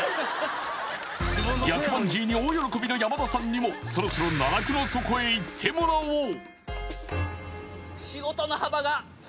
逆バンジーに大喜びの山田さんにもそろそろ奈落の底へ行ってもらおう！